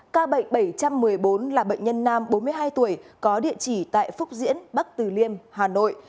ca bệnh bảy trăm một mươi bốn là bệnh nhân nam bốn mươi hai tuổi có địa chỉ tại phúc diễn bắc từ liêm hà nội